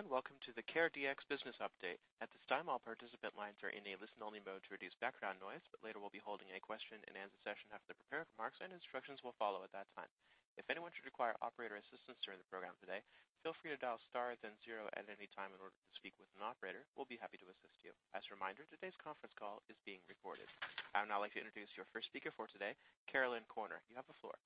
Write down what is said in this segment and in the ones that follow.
Good day, ladies and gentlemen. Welcome to the CareDx business update. At this time, all participant lines are in a listen-only mode to reduce background noise. Later we'll be holding a question-and-answer session after the prepared remarks, and instructions will follow at that time. If anyone should require operator assistance during the program today, feel free to dial star then zero at any time in order to speak with an operator who will be happy to assist you. As a reminder, today's conference call is being recorded. I would now like to introduce your first speaker for today, Caroline Corner. You have the floor.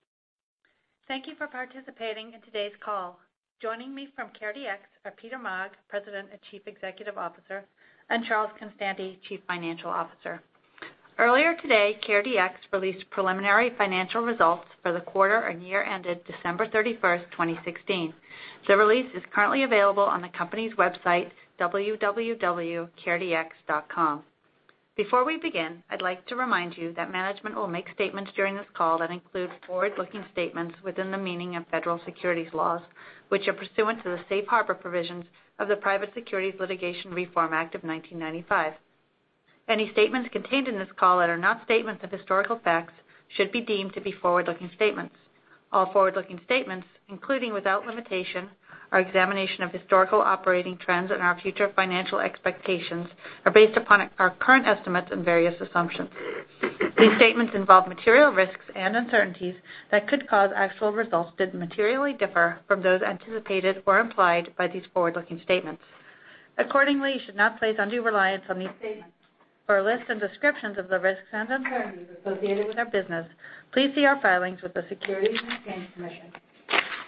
Thank you for participating in today's call. Joining me from CareDx are Peter Maag, President and Chief Executive Officer, and Charles Constanti, Chief Financial Officer. Earlier today, CareDx released preliminary financial results for the quarter and year ended December 31st, 2016. The release is currently available on the company's website, www.caredx.com. Before we begin, I'd like to remind you that management will make statements during this call that include forward-looking statements within the meaning of federal securities laws, which are pursuant to the Safe Harbor provisions of the Private Securities Litigation Reform Act of 1995. Any statements contained in this call that are not statements of historical facts should be deemed to be forward-looking statements. All forward-looking statements, including without limitation, our examination of historical operating trends and our future financial expectations, are based upon our current estimates and various assumptions. These statements involve material risks and uncertainties that could cause actual results to materially differ from those anticipated or implied by these forward-looking statements. Accordingly, you should not place undue reliance on these statements. For a list and descriptions of the risks and uncertainties associated with our business, please see our filings with the Securities and Exchange Commission.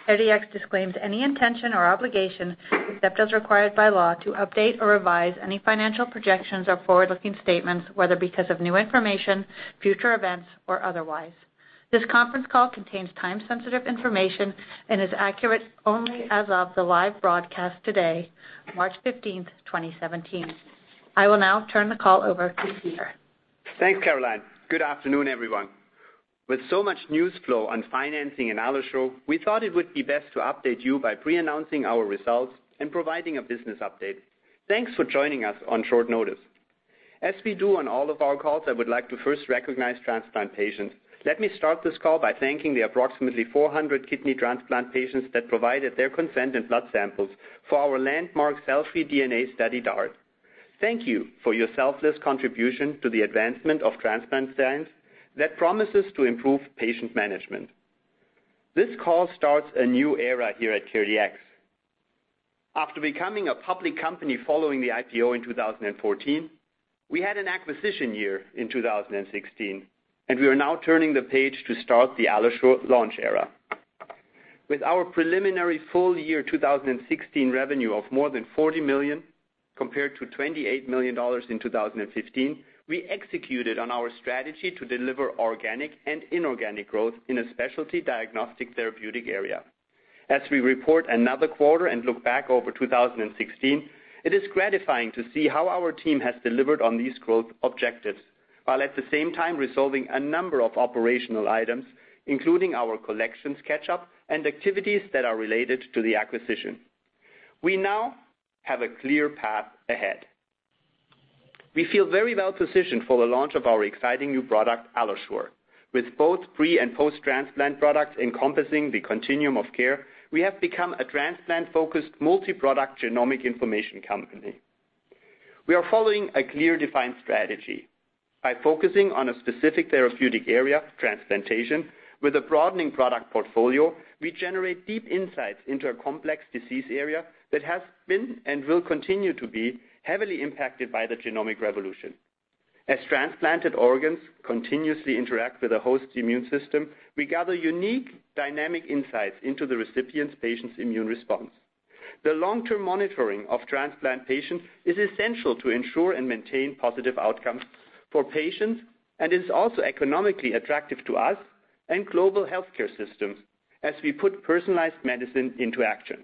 CareDx disclaims any intention or obligation, except as required by law, to update or revise any financial projections or forward-looking statements, whether because of new information, future events, or otherwise. This conference call contains time-sensitive information and is accurate only as of the live broadcast today, March 15th, 2017. I will now turn the call over to Peter. Thanks, Caroline. Good afternoon, everyone. With so much news flow on financing and AlloSure, we thought it would be best to update you by pre-announcing our results and providing a business update. Thanks for joining us on short notice. As we do on all of our calls, I would like to first recognize transplant patients. Let me start this call by thanking the approximately 400 kidney transplant patients that provided their consent and blood samples for our landmark cell-free DNA study, DART. Thank you for your selfless contribution to the advancement of transplant science that promises to improve patient management. This call starts a new era here at CareDx. After becoming a public company following the IPO in 2014, we had an acquisition year in 2016. We are now turning the page to start the AlloSure launch era. With our preliminary full year 2016 revenue of more than $40 million, compared to $28 million in 2015, we executed on our strategy to deliver organic and inorganic growth in a specialty diagnostic therapeutic area. As we report another quarter and look back over 2016, it is gratifying to see how our team has delivered on these growth objectives, while at the same time resolving a number of operational items, including our collections catch-up and activities that are related to the acquisition. We now have a clear path ahead. We feel very well-positioned for the launch of our exciting new product, AlloSure. With both pre and post-transplant products encompassing the continuum of care, we have become a transplant-focused, multi-product genomic information company. We are following a clear, defined strategy. By focusing on a specific therapeutic area, transplantation, with a broadening product portfolio, we generate deep insights into a complex disease area that has been and will continue to be heavily impacted by the genomic revolution. As transplanted organs continuously interact with the host's immune system, we gather unique dynamic insights into the recipient patient's immune response. The long-term monitoring of transplant patients is essential to ensure and maintain positive outcomes for patients and is also economically attractive to us and global healthcare systems as we put personalized medicine into action.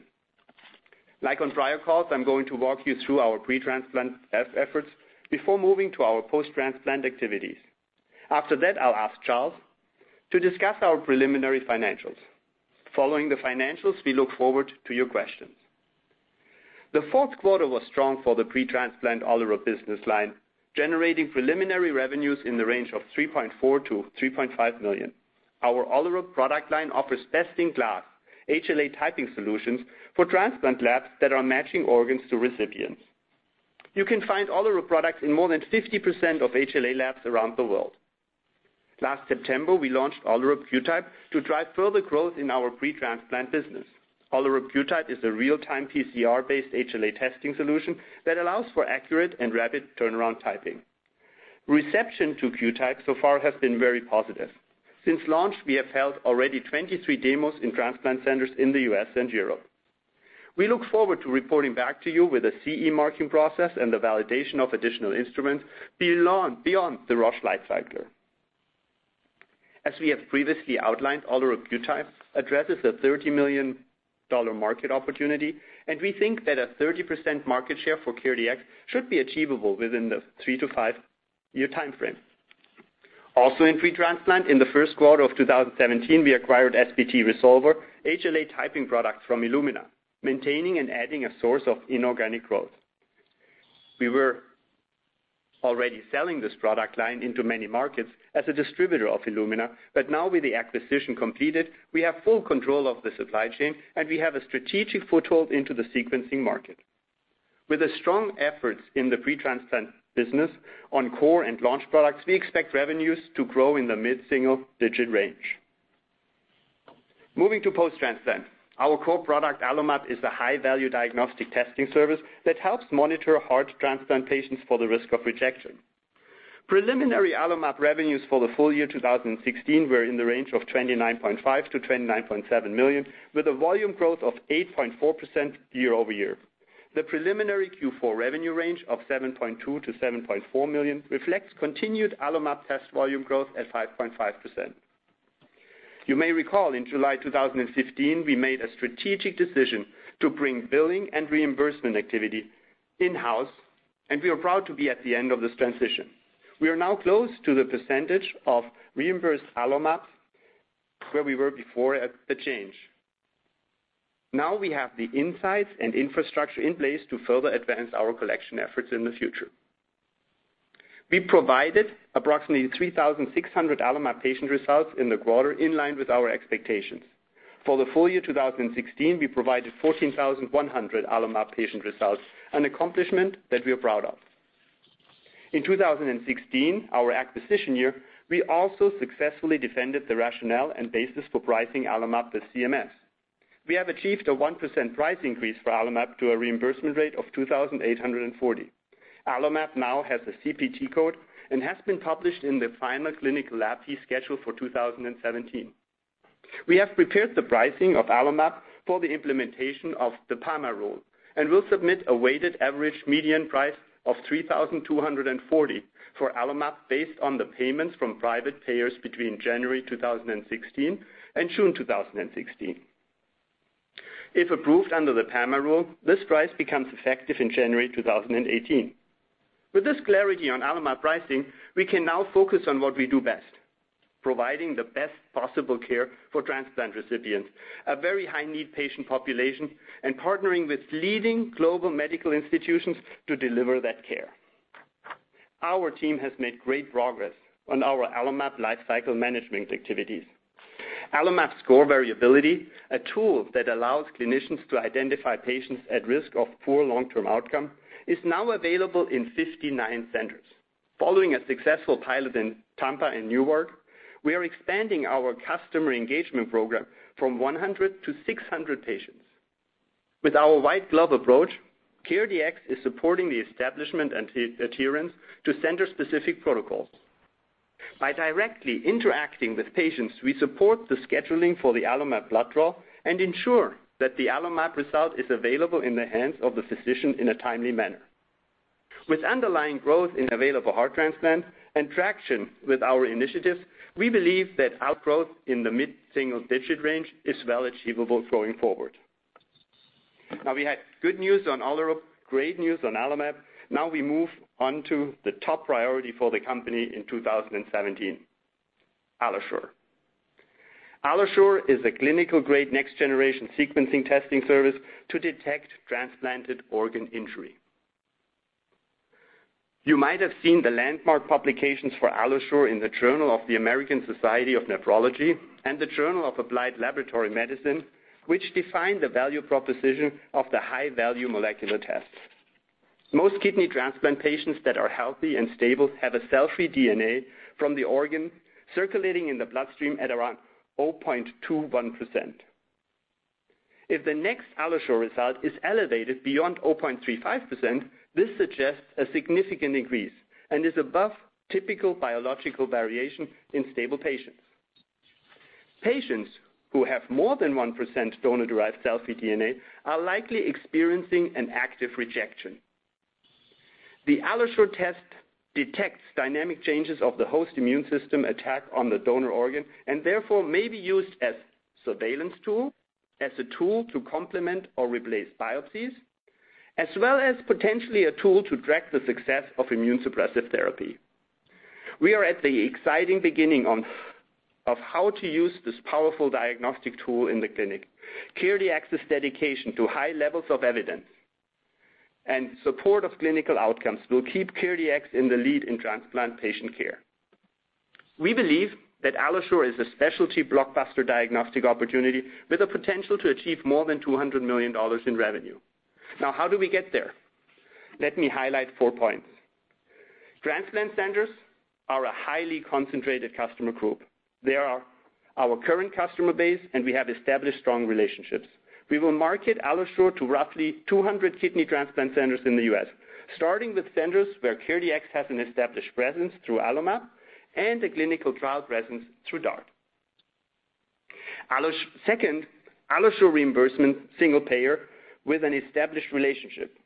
Like on prior calls, I'm going to walk you through our pre-transplant efforts before moving to our post-transplant activities. After that, I'll ask Charles Constanti to discuss our preliminary financials. Following the financials, we look forward to your questions. The fourth quarter was strong for the pre-transplant Olerup business line, generating preliminary revenues in the range of $3.4 million-$3.5 million. Our Olerup product line offers best-in-class HLA typing solutions for transplant labs that are matching organs to recipients. You can find Olerup products in more than 50% of HLA labs around the world. Last September, we launched Olerup QTYPE to drive further growth in our pre-transplant business. Olerup QTYPE is a real-time PCR-based HLA testing solution that allows for accurate and rapid turnaround typing. Reception to QTYPE so far has been very positive. Since launch, we have held already 23 demos in transplant centers in the U.S. and Europe. We look forward to reporting back to you with a CE marking process and the validation of additional instruments beyond the Roche LightCycler. As we have previously outlined, Olerup QTYPE addresses the $30 million market opportunity, and we think that a 30% market share for CareDx should be achievable within the three to five-year timeframe. Also in pre-transplant, in the first quarter of 2017, we acquired SPT Resolver HLA typing products from Illumina, maintaining and adding a source of inorganic growth. We were already selling this product line into many markets as a distributor of Illumina, but now with the acquisition completed, we have full control of the supply chain, and we have a strategic foothold into the sequencing market. With the strong efforts in the pre-transplant business on core and launch products, we expect revenues to grow in the mid-single digit range. Moving to post-transplant. Our core product, AlloMap, is a high-value diagnostic testing service that helps monitor heart transplant patients for the risk of rejection. Preliminary AlloMap revenues for the full year 2016 were in the range of $29.5 million-$29.7 million, with a volume growth of 8.4% year-over-year. The preliminary Q4 revenue range of $7.2 million-$7.4 million reflects continued AlloMap test volume growth at 5.5%. You may recall in July 2015, we made a strategic decision to bring billing and reimbursement activity in-house, and we are proud to be at the end of this transition. We are now close to the percentage of reimbursed AlloMap where we were before at the change. We have the insights and infrastructure in place to further advance our collection efforts in the future. We provided approximately 3,600 AlloMap patient results in the quarter, in line with our expectations. For the full year 2016, we provided 14,100 AlloMap patient results, an accomplishment that we are proud of. In 2016, our acquisition year, we also successfully defended the rationale and basis for pricing AlloMap with CMS. We have achieved a 1% price increase for AlloMap to a reimbursement rate of $2,840. AlloMap now has a CPT code and has been published in the final Clinical Laboratory Fee Schedule for 2017. We have prepared the pricing of AlloMap for the implementation of the PAMA Rule and will submit a weighted average median price of $3,240 for AlloMap based on the payments from private payers between January 2016 and June 2016. If approved under the PAMA Rule, this price becomes effective in January 2018. With this clarity on AlloMap pricing, we can now focus on what we do best, providing the best possible care for transplant recipients, a very high-need patient population, and partnering with leading global medical institutions to deliver that care. Our team has made great progress on our AlloMap lifecycle management activities. AlloMap Score Variability, a tool that allows clinicians to identify patients at risk of poor long-term outcome, is now available in 59 centers. Following a successful pilot in Tampa and Newark, we are expanding our customer engagement program from 100 to 600 patients. With our white glove approach, CareDx is supporting the establishment and adherence to center-specific protocols. By directly interacting with patients, we support the scheduling for the AlloMap blood draw and ensure that the AlloMap result is available in the hands of the physician in a timely manner. With underlying growth in available heart transplant and traction with our initiatives, we believe that outgrowth in the mid-single-digit range is well achievable going forward. We had good news on Olerup, great news on AlloMap. We move on to the top priority for the company in 2017, AlloSure. AlloSure is a clinical-grade, next-generation sequencing testing service to detect transplanted organ injury. You might have seen the landmark publications for AlloSure in the Journal of the American Society of Nephrology and The Journal of Applied Laboratory Medicine, which define the value proposition of the high-value molecular test. Most kidney transplant patients that are healthy and stable have a cell-free DNA from the organ circulating in the bloodstream at around 0.21%. If the next AlloSure result is elevated beyond 0.35%, this suggests a significant increase and is above typical biological variation in stable patients. Patients who have more than 1% donor-derived cell-free DNA are likely experiencing an active rejection. The AlloSure test detects dynamic changes of the host immune system attack on the donor organ and therefore may be used as surveillance tool, as a tool to complement or replace biopsies, as well as potentially a tool to track the success of immunosuppressive therapy. We are at the exciting beginning of how to use this powerful diagnostic tool in the clinic. CareDx's dedication to high levels of evidence and support of clinical outcomes will keep CareDx in the lead in transplant patient care. We believe that AlloSure is a specialty blockbuster diagnostic opportunity with a potential to achieve more than $200 million in revenue. How do we get there? Let me highlight four points. Transplant centers are a highly concentrated customer group. They are our current customer base, and we have established strong relationships. We will market AlloSure to roughly 200 kidney transplant centers in the U.S., starting with centers where CareDx has an established presence through AlloMap and a clinical trial presence through DART. Second, AlloSure reimbursement single payer with an established relationship.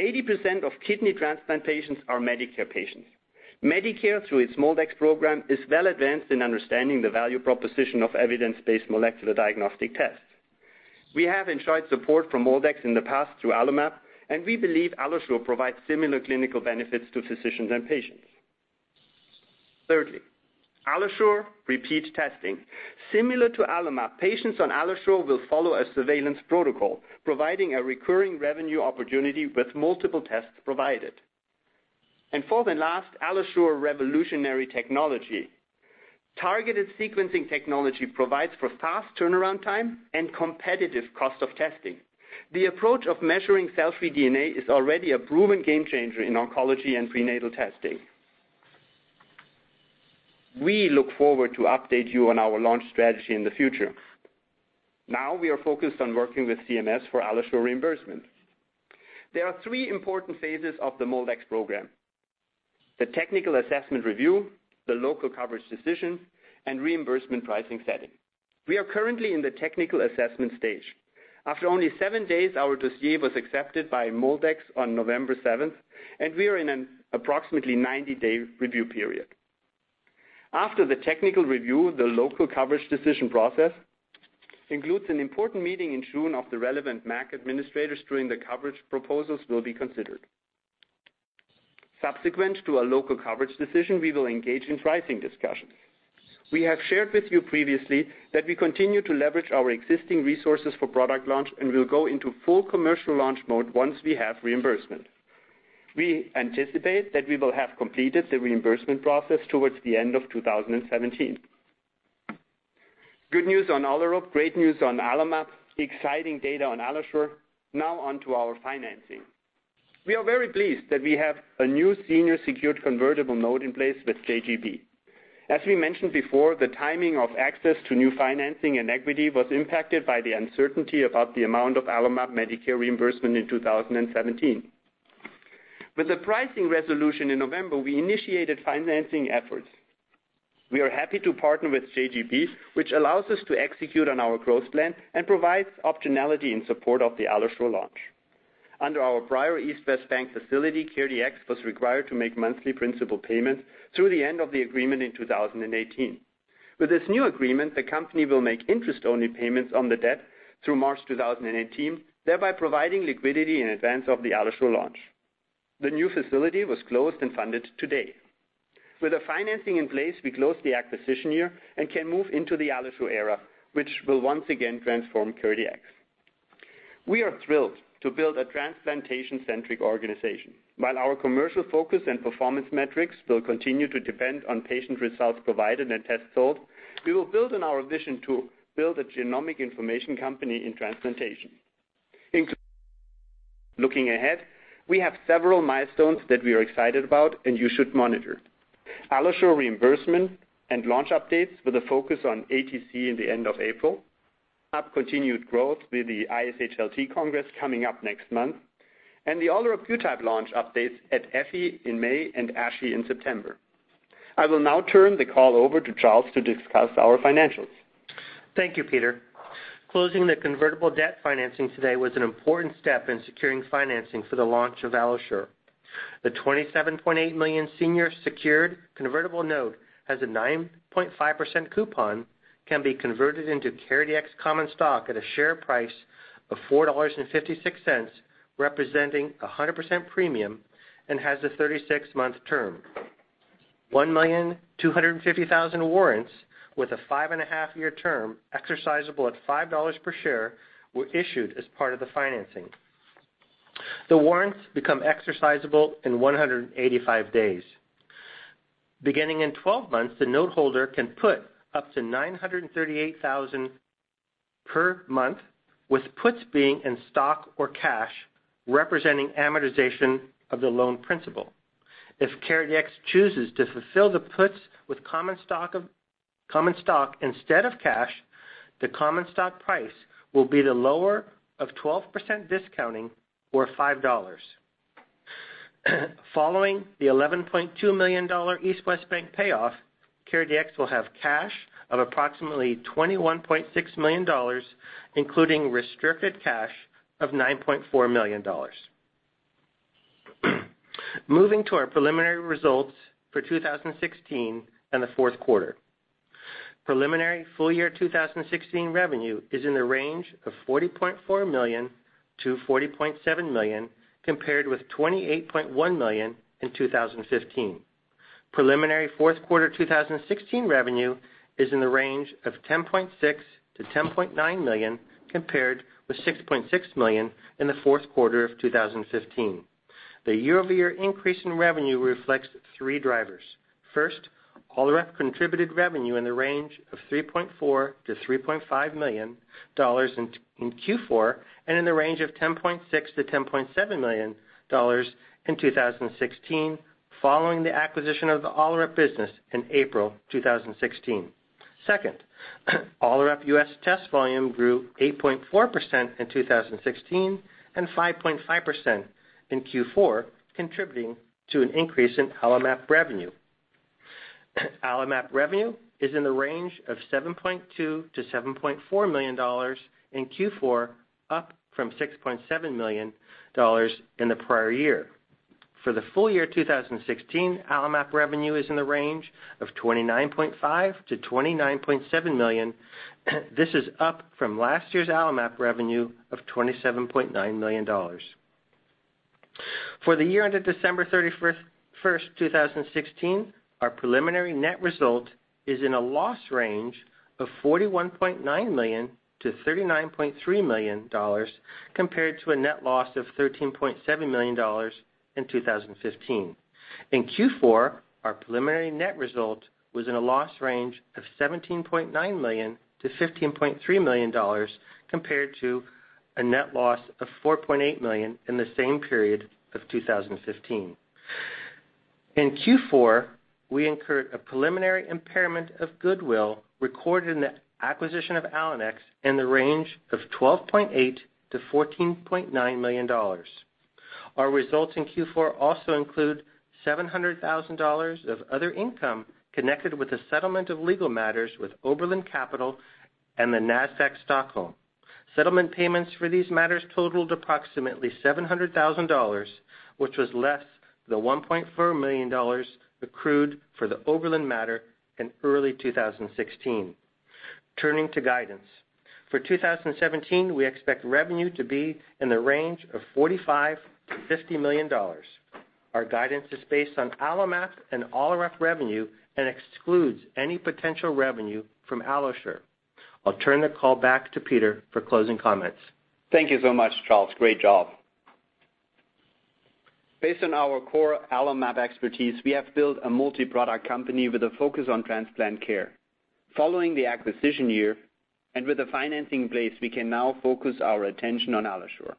80% of kidney transplant patients are Medicare patients. Medicare, through its MolDX program, is well advanced in understanding the value proposition of evidence-based molecular diagnostic tests. We have ensured support from MolDX in the past through AlloMap, and we believe AlloSure provides similar clinical benefits to physicians and patients. Thirdly, AlloSure repeat testing. Similar to AlloMap, patients on AlloSure will follow a surveillance protocol, providing a recurring revenue opportunity with multiple tests provided. Fourth and last, AlloSure revolutionary technology. Targeted sequencing technology provides for fast turnaround time and competitive cost of testing. The approach of measuring cell-free DNA is already a proven game changer in oncology and prenatal testing. We look forward to update you on our launch strategy in the future. We are focused on working with CMS for AlloSure reimbursement. There are three important phases of the MolDX program: the technical assessment review, the local coverage decision, and reimbursement pricing setting. We are currently in the technical assessment stage. After only seven days, our dossier was accepted by MolDX on November 7th, and we are in an approximately 90-day review period. After the technical review, the local coverage decision process includes an important meeting in June of the relevant MAC administrators during the coverage proposals will be considered. Subsequent to a local coverage decision, we will engage in pricing discussions. We have shared with you previously that we continue to leverage our existing resources for product launch, and we'll go into full commercial launch mode once we have reimbursement. We anticipate that we will have completed the reimbursement process towards the end of 2017. Good news on Olerup, great news on AlloMap, exciting data on AlloSure. On to our financing. We are very pleased that we have a new senior secured convertible note in place with JGB. As we mentioned before, the timing of access to new financing and equity was impacted by the uncertainty about the amount of AlloMap Medicare reimbursement in 2017. With the pricing resolution in November, we initiated financing efforts. We are happy to partner with JGB, which allows us to execute on our growth plan and provides optionality in support of the AlloSure launch. Under our prior East West Bank facility, CareDx was required to make monthly principal payments through the end of the agreement in 2018. With this new agreement, the company will make interest-only payments on the debt through March 2018, thereby providing liquidity in advance of the AlloSure launch. The new facility was closed and funded today. With the financing in place, we closed the acquisition year and can move into the AlloSure era, which will once again transform CareDx. We are thrilled to build a transplantation-centric organization. While our commercial focus and performance metrics will continue to depend on patient results provided and tests sold, we will build on our vision to build a genomic information company in transplantation. In looking ahead, we have several milestones that we are excited about and you should monitor. AlloSure reimbursement and launch updates with a focus on ATC in the end of April, continued growth with the ISHLT Congress coming up next month, the Olerup QTYPE launch updates at EFI in May and ASHI in September. I will now turn the call over to Charles to discuss our financials. Thank you, Peter. Closing the convertible debt financing today was an important step in securing financing for the launch of AlloSure. The $27.8 million senior secured convertible note has a 9.5% coupon, can be converted into CareDx common stock at a share price of $4.56, representing 100% premium, and has a 36-month term. 1,250,000 warrants with a five and a half year term exercisable at $5 per share were issued as part of the financing. The warrants become exercisable in 185 days. Beginning in 12 months, the note holder can put up to $938,000 per month, with puts being in stock or cash, representing amortization of the loan principal. If CareDx chooses to fulfill the puts with common stock instead of cash, the common stock price will be the lower of 12% discounting or $5. Following the $11.2 million East West Bank payoff, CareDx will have cash of approximately $21.6 million, including restricted cash of $9.4 million. Moving to our preliminary results for 2016 and the fourth quarter. Preliminary full year 2016 revenue is in the range of $40.4 million-$40.7 million, compared with $28.1 million in 2015. Preliminary fourth quarter 2016 revenue is in the range of $10.6 million-$10.9 million, compared with $6.6 million in the fourth quarter of 2015. The year-over-year increase in revenue reflects three drivers. First, Olerup contributed revenue in the range of $3.4 million-$3.5 million in Q4, and in the range of $10.6 million-$10.7 million in 2016, following the acquisition of the Olerup business in April 2016. Second, Olerup U.S. test volume grew 8.4% in 2016 and 5.5% in Q4, contributing to an increase in AlloMap revenue. AlloMap revenue is in the range of $7.2 million-$7.4 million in Q4, up from $6.7 million in the prior year. For the full year 2016, AlloMap revenue is in the range of $29.5 million-$29.7 million. This is up from last year's AlloMap revenue of $27.9 million. For the year ended December 31st, 2016, our preliminary net result is in a loss range of $41.9 million-$39.3 million compared to a net loss of $13.7 million in 2015. In Q4, our preliminary net result was in a loss range of $17.9 million-$15.3 million compared to a net loss of $4.8 million in the same period of 2015. In Q4, we incurred a preliminary impairment of goodwill recorded in the acquisition of Allenex in the range of $12.8 million-$14.9 million. Our results in Q4 also include $700,000 of other income connected with the settlement of legal matters with Overland Capital and the Nasdaq Stockholm. Settlement payments for these matters totaled approximately $700,000, which was less than $1.4 million accrued for the Overland matter in early 2016. Turning to guidance. For 2017, we expect revenue to be in the range of $45 million-$50 million. Our guidance is based on AlloMap and Olerup revenue and excludes any potential revenue from AlloSure. I'll turn the call back to Peter for closing comments. Thank you so much, Charles. Great job. Based on our core AlloMap expertise, we have built a multi-product company with a focus on transplant care. Following the acquisition year, and with the financing in place, we can now focus our attention on AlloSure.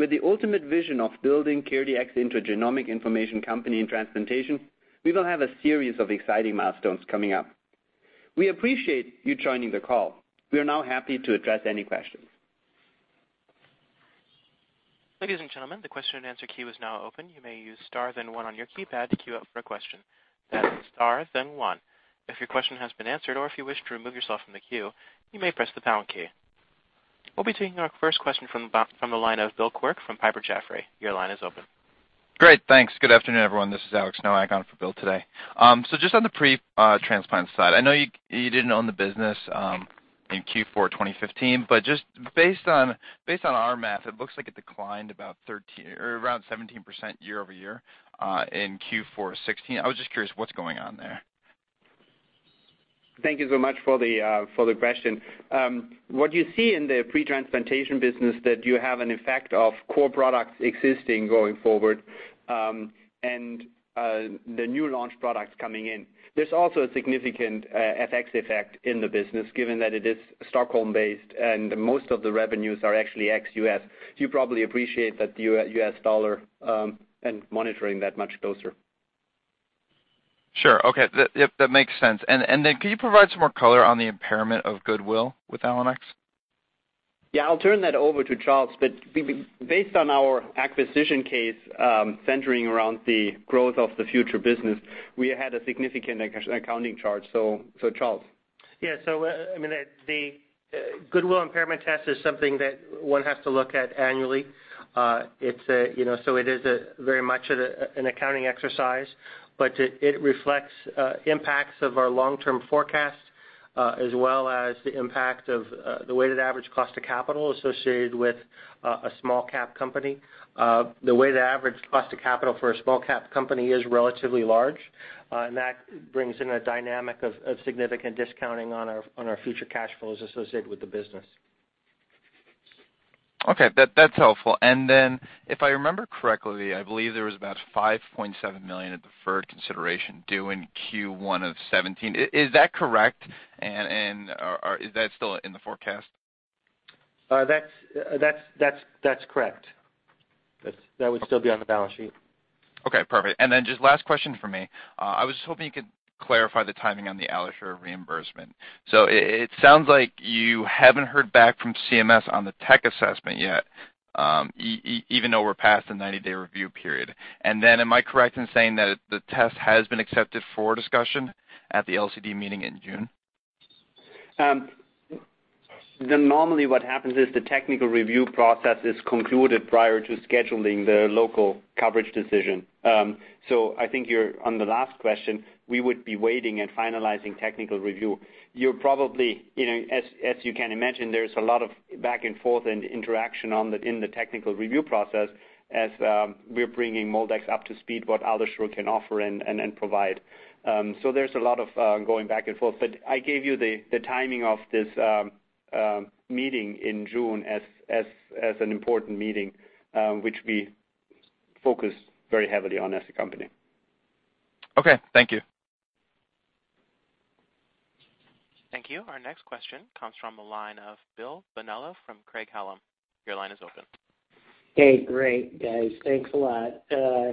With the ultimate vision of building CareDx into a genomic information company in transplantation, we will have a series of exciting milestones coming up. We appreciate you joining the call. We are now happy to address any questions. Ladies and gentlemen, the question and answer queue is now open. You may use star then one on your keypad to queue up for a question. That's star then one. If your question has been answered, or if you wish to remove yourself from the queue, you may press the pound key. We'll be taking our first question from the line of Bill Quirk from Piper Jaffray. Your line is open. Great. Thanks. Good afternoon, everyone. This is Alex Nowak I am going for Bill today. Just on the pre-transplant side, I know you did not own the business in Q4 2015. Just based on our math, it looks like it declined about 13% or around 17% year-over-year in Q4 2016. I was just curious what is going on there. Thank you so much for the question. What you see in the pre-transplantation business that you have an effect of core products existing going forward, and the new launch products coming in. There is also a significant FX effect in the business given that it is Stockholm based and most of the revenues are actually ex-U.S. You probably appreciate that the U.S. dollar and monitoring that much closer. Sure. Okay. That makes sense. Then can you provide some more color on the impairment of goodwill with Allenex? I will turn that over to Charles. Based on our acquisition case centering around the growth of the future business, we had a significant accounting charge. Charles. Yeah. The goodwill impairment test is something that one has to look at annually. It is very much an accounting exercise, but it reflects impacts of our long-term forecast, as well as the impact of the weighted average cost of capital associated with a small cap company. The weighted average cost of capital for a small cap company is relatively large, and that brings in a dynamic of significant discounting on our future cash flows associated with the business. Okay. That's helpful. Then if I remember correctly, I believe there was about $5.7 million of deferred consideration due in Q1 of 2017. Is that correct? Is that still in the forecast? That's correct. That would still be on the balance sheet. Okay. Perfect. Then just last question from me. I was hoping you could clarify the timing on the AlloSure reimbursement. It sounds like you haven't heard back from CMS on the tech assessment yet, even though we're past the 90-day review period. Then am I correct in saying that the test has been accepted for discussion at the LCD meeting in June? Normally what happens is the technical review process is concluded prior to scheduling the local coverage decision. I think on the last question, we would be waiting and finalizing technical review. As you can imagine, there's a lot of back and forth and interaction in the technical review process as we're bringing MolDX up to speed what AlloSure can offer and provide. There's a lot of going back and forth, but I gave you the timing of this meeting in June as an important meeting, which we focus very heavily on as a company. Thank you. Thank you. Our next question comes from the line of Bill Bonello from Craig-Hallum. Your line is open. Hey. Great, guys. Thanks a lot. A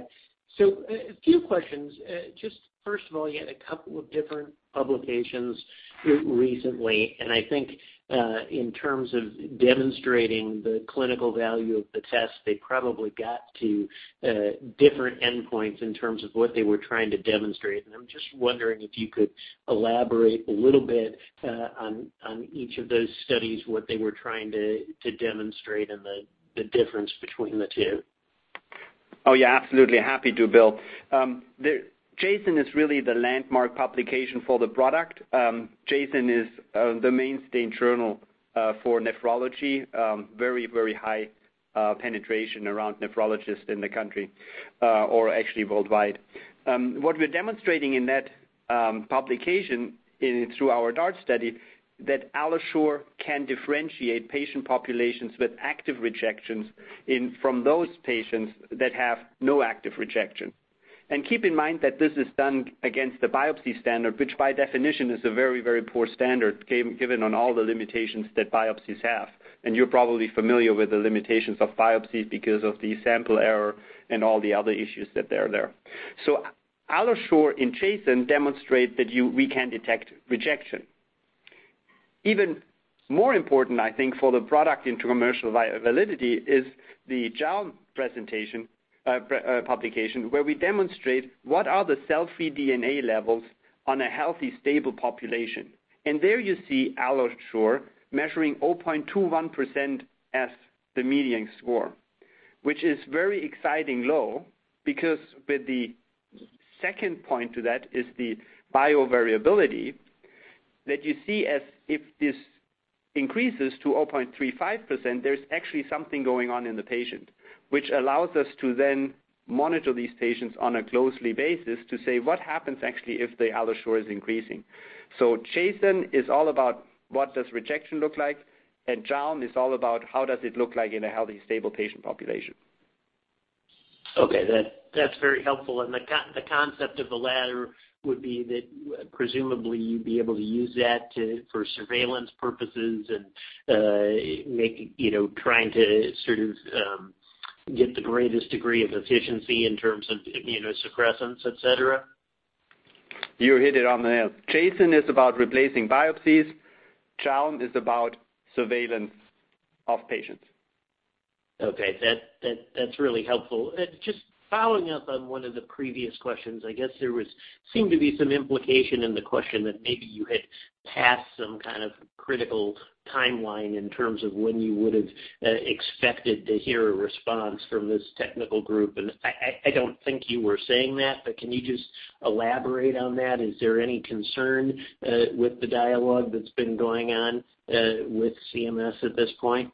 few questions. Just first of all, you had a couple of different publications recently, I think, in terms of demonstrating the clinical value of the test, they probably got to different endpoints in terms of what they were trying to demonstrate. I'm just wondering if you could elaborate a little bit on each of those studies, what they were trying to demonstrate and the difference between the two. Oh, yeah, absolutely. Happy to, Bill. JASN is really the landmark publication for the product. JASN is the mainstay journal for nephrology. Very high penetration around nephrologists in the country, or actually worldwide. What we're demonstrating in that publication through our DART study, that AlloSure can differentiate patient populations with active rejections from those patients that have no active rejection. Keep in mind that this is done against the biopsy standard, which by definition is a very poor standard, given on all the limitations that biopsies have. You're probably familiar with the limitations of biopsies because of the sample error and all the other issues that are there. AlloSure in JASN demonstrate that we can detect rejection. Even more important, I think, for the product into commercial viability is the JALM publication, where we demonstrate what are the cell-free DNA levels on a healthy, stable population. There you see AlloSure measuring 0.21% as the median score, which is very exciting low, because with the second point to that is the bio-variability that you see as if this increases to 0.35%, there's actually something going on in the patient. Which allows us to then monitor these patients on a closely basis to say what happens actually if the AlloSure is increasing. JASN is all about what does rejection look like, and JALM is all about how does it look like in a healthy, stable patient population. Okay. That's very helpful. The concept of the latter would be that presumably you'd be able to use that for surveillance purposes and trying to sort of get the greatest degree of efficiency in terms of immunosuppressants, et cetera? You hit it on the head. JASN is about replacing biopsies. JALM is about surveillance of patients. Okay. That's really helpful. Just following up on one of the previous questions, I guess there seemed to be some implication in the question that maybe you had passed some kind of critical timeline in terms of when you would've expected to hear a response from this technical group. I don't think you were saying that, can you just elaborate on that? Is there any concern with the dialogue that's been going on with CMS at this point?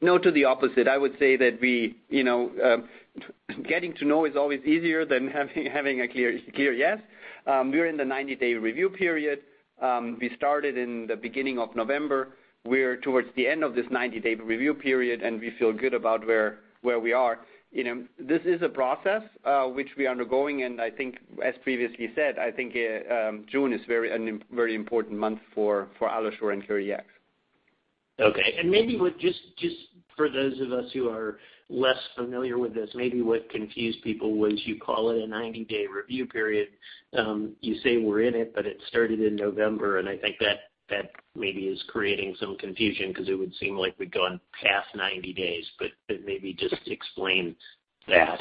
No, to the opposite. I would say that getting to know is always easier than having a clear yes. We're in the 90-day review period. We started in the beginning of November. We're towards the end of this 90-day review period, we feel good about where we are. This is a process, which we are undergoing, I think as previously said, June is a very important month for AlloSure and CareDx. Okay. Maybe just for those of us who are less familiar with this, maybe what confused people was you call it a 90-day review period. You say we're in it started in November, I think that maybe is creating some confusion because it would seem like we've gone past 90 days, maybe just explain that.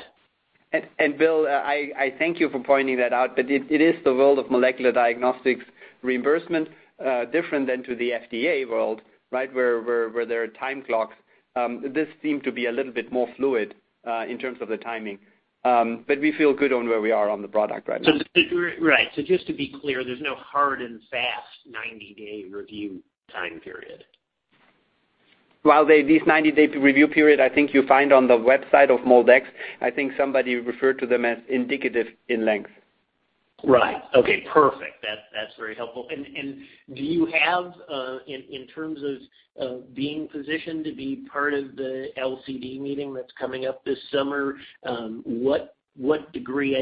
Bill, I thank you for pointing that out, it is the world of molecular diagnostics reimbursement, different than to the FDA world, where there are time clocks. This seemed to be a little bit more fluid, in terms of the timing. We feel good on where we are on the product right now. Right. Just to be clear, there's no hard and fast 90-day review time period. Well, this 90-day review period, I think you'll find on the website of MolDX. I think somebody referred to them as indicative in length. Right. Okay, perfect. That's very helpful. Do you have, in terms of being positioned to be part of the LCD meeting that's coming up this summer, what degree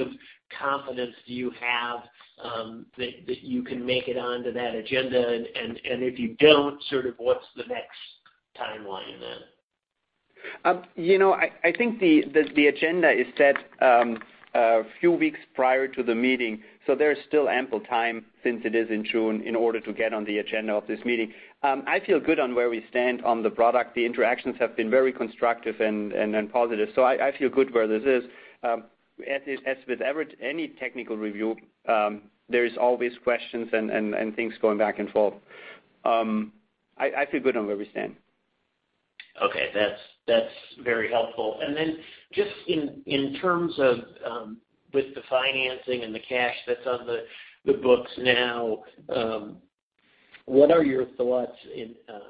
of confidence do you have that you can make it onto that agenda? If you don't, sort of what's the next timeline then? I think the agenda is set a few weeks prior to the meeting, so there is still ample time since it is in June, in order to get on the agenda of this meeting. I feel good on where we stand on the product. The interactions have been very constructive and positive. I feel good where this is. As with any technical review, there is always questions and things going back and forth. I feel good on where we stand. That's very helpful. Just in terms of with the financing and the cash that's on the books now, what are your thoughts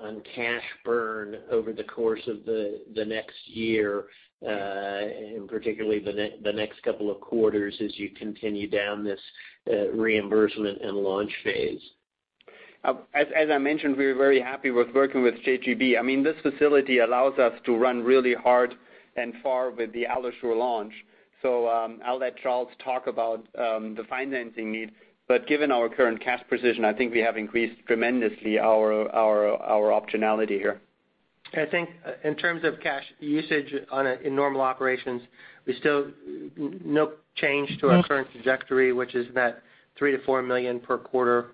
on cash burn over the course of the next year, and particularly the next couple of quarters as you continue down this reimbursement and launch phase? As I mentioned, we're very happy with working with JGB. This facility allows us to run really hard and far with the AlloSure launch. I'll let Charles talk about the financing need. Given our current cash position, I think we have increased tremendously our optionality here. I think in terms of cash usage in normal operations, we still no change to our current trajectory, which is that $3 million-$4 million per quarter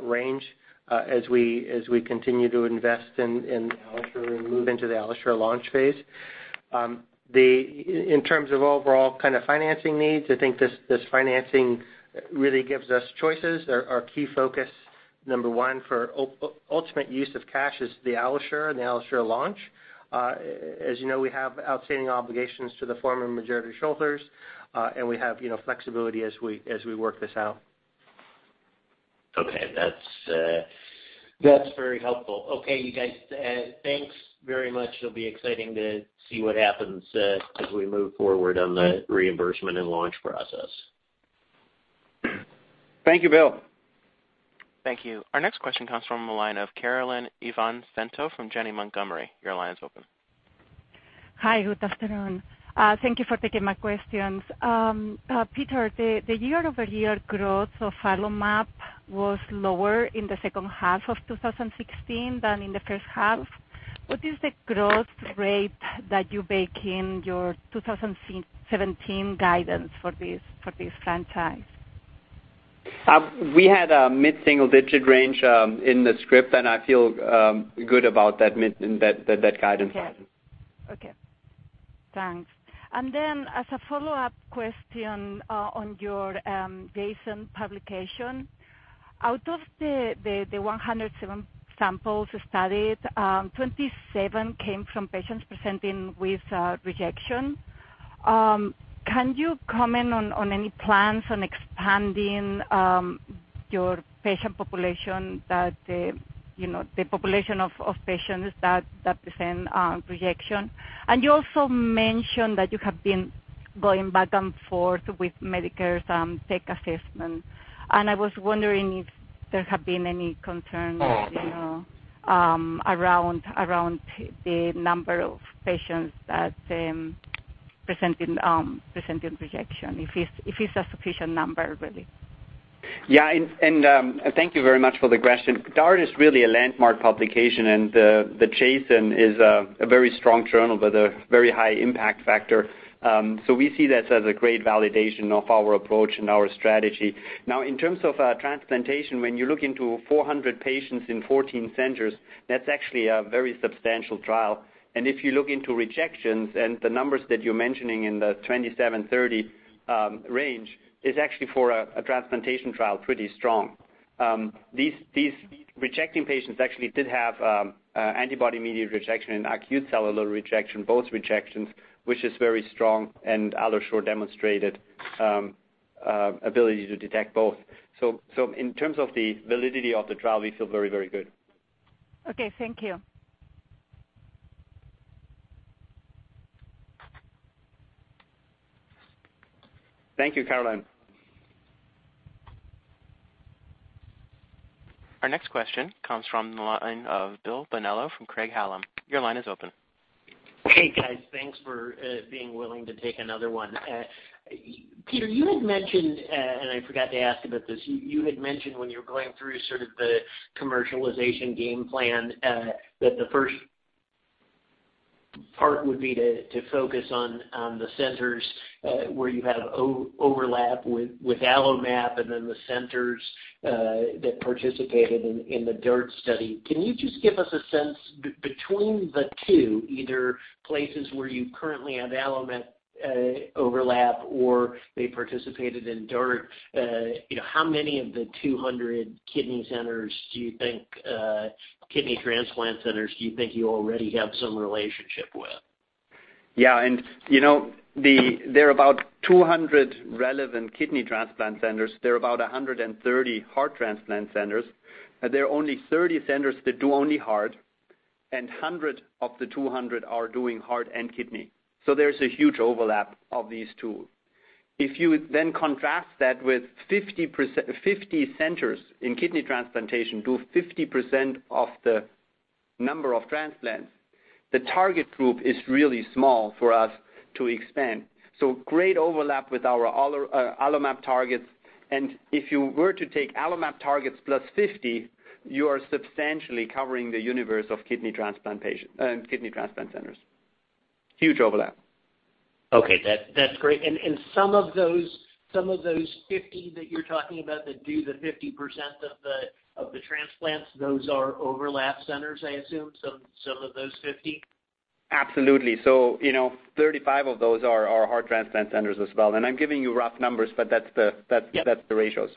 range, as we continue to invest in AlloSure and move into the AlloSure launch phase. In terms of overall kind of financing needs, I think this financing really gives us choices. Our key focus, number one for ultimate use of cash is the AlloSure and the AlloSure launch. As you know, we have outstanding obligations to the former majority shareholders, we have flexibility as we work this out. Okay. That's very helpful. Okay, you guys. Thanks very much. It'll be exciting to see what happens as we move forward on the reimbursement and launch process. Thank you, Bill. Thank you. Our next question comes from the line of Carolyn Ivancic from Janney Montgomery. Your line's open. Hi. Good afternoon. Thank you for taking my questions. Peter, the year-over-year growth of AlloMap was lower in the second half of 2016 than in the first half. What is the growth rate that you bake in your 2017 guidance for this franchise? We had a mid-single digit range in the script. I feel good about that guidance. Okay. Thanks. As a follow-up question on your JASN publication, out of the 107 samples studied, 27 came from patients presenting with rejection. Can you comment on any plans on expanding your patient population that present rejection? You also mentioned that you have been going back and forth with Medicare's tech assessment. I was wondering if there have been any concerns around the number of patients that presented rejection, if it's a sufficient number, really. Yeah, thank you very much for the question. DART is really a landmark publication. The JASN is a very strong journal with a very high impact factor. We see this as a great validation of our approach and our strategy. Now, in terms of transplantation, when you look into 400 patients in 14 centers, that's actually a very substantial trial. If you look into rejections and the numbers that you're mentioning in the 27, 30 range, is actually for a transplantation trial, pretty strong. These rejecting patients actually did have antibody-mediated rejection and acute cellular rejection, both rejections, which is very strong, and AlloSure demonstrated ability to detect both. In terms of the validity of the trial, we feel very good. Okay. Thank you. Thank you, Carolyn. Our next question comes from the line of Bill Bonello from Craig-Hallum. Your line is open. Hey, guys. Thanks for being willing to take another one. Peter, you had mentioned, and I forgot to ask about this, you had mentioned when you were going through sort of the commercialization game plan, that the first part would be to focus on the centers where you have overlap with AlloMap and then the centers that participated in the DART study. Can you just give us a sense between the two, either places where you currently have AlloMap overlap or they participated in DART, how many of the 200 kidney transplant centers do you think you already have some relationship with? Yeah, there are about 200 relevant kidney transplant centers. There are about 130 heart transplant centers. There are only 30 centers that do only heart, and 100 of the 200 are doing heart and kidney. There's a huge overlap of these two. If you then contrast that with 50 centers in kidney transplantation do 50% of the number of transplants, the target group is really small for us to expand. Great overlap with our AlloMap targets. If you were to take AlloMap targets plus 50, you are substantially covering the universe of kidney transplant centers. Huge overlap. That's great. Some of those 50 that you're talking about that do the 50% of the transplants, those are overlap centers, I assume? Some of those 50? Absolutely. 35 of those are heart transplant centers as well, and I'm giving you rough numbers, but that's the ratios.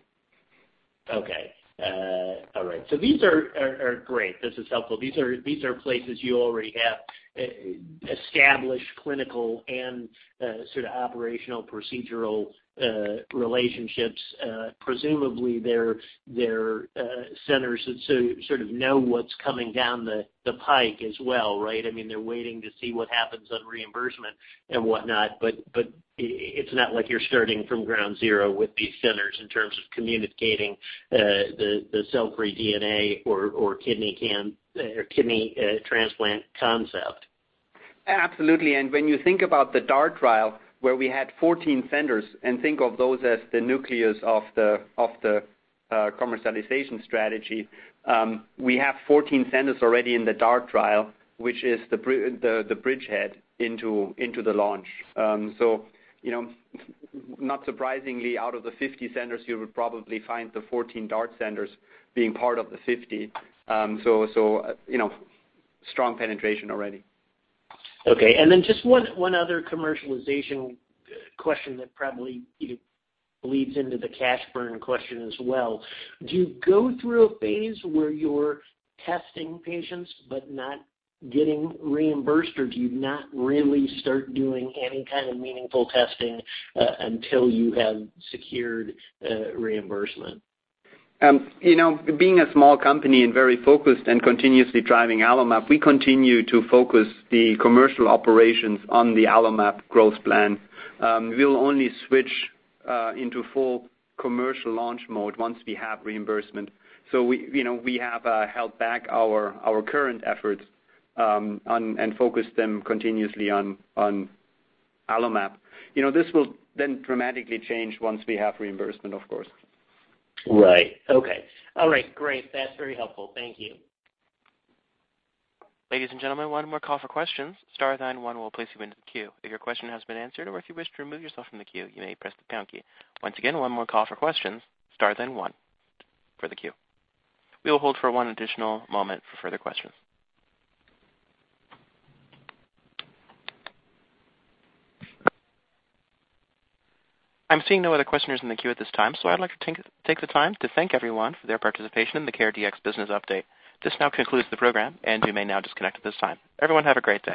Okay. All right. These are great. This is helpful. These are places you already have established clinical and sort of operational procedural relationships. Presumably they're centers that sort of know what's coming down the pike as well, right? I mean, they're waiting to see what happens on reimbursement and whatnot, but it's not like you're starting from ground zero with these centers in terms of communicating the cell-free DNA or kidney transplant concept. Absolutely. When you think about the DART trial where we had 14 centers, and think of those as the nucleus of the commercialization strategy, we have 14 centers already in the DART trial, which is the bridgehead into the launch. Not surprisingly, out of the 50 centers, you would probably find the 14 DART centers being part of the 50. Strong penetration already. Okay. Then just one other commercialization question that probably bleeds into the cash burn question as well. Do you go through a phase where you're testing patients but not getting reimbursed, or do you not really start doing any kind of meaningful testing until you have secured reimbursement? Being a small company and very focused and continuously driving AlloMap, we continue to focus the commercial operations on the AlloMap growth plan. We'll only switch into full commercial launch mode once we have reimbursement. We have held back our current efforts and focused them continuously on AlloMap. This will dramatically change once we have reimbursement, of course. Right. Okay. All right. Great. That's very helpful. Thank you. Ladies and gentlemen, one more call for questions. Star 91 will place you into the queue. If your question has been answered, or if you wish to remove yourself from the queue, you may press the pound key. Once again, one more call for questions. Star 1 for the queue. We will hold for one additional moment for further questions. I'm seeing no other questioners in the queue at this time, I'd like to take the time to thank everyone for their participation in the CareDx business update. This now concludes the program, you may now disconnect at this time. Everyone have a great day.